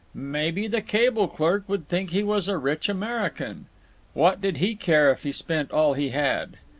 Maybe the cable clerk would think he was a rich American. What did he care if he spent all he had?